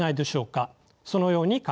そのように考えます。